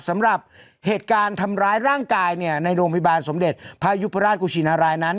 สำหรับเหตุการณ์ทำร้ายร่างกายในโรงพยาบาลสมเด็จพระยุพราชกุชินารายนั้น